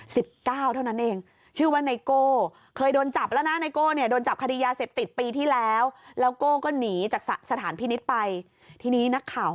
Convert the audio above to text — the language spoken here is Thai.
สิบเก้าเท่านั้นเอง